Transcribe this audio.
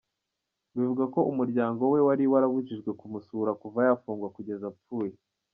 Bivugwa ko umuryango we wari warabujijwe kumusura kuva yafungwa kugeza apfuye.